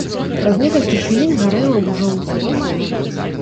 Праз некалькі хвілін гарэла ўжо ўсё вакол.